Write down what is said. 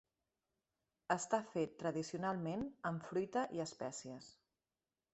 Està fet tradicionalment amb fruita i espècies.